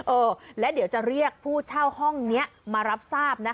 เออและเดี๋ยวจะเรียกผู้เช่าห้องนี้มารับทราบนะคะ